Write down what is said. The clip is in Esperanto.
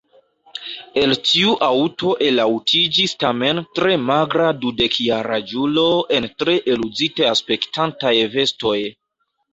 El tiu aŭto elaŭtiĝis tamen tre magra dudekjaraĝulo en tre eluzite aspektantaj vestoj.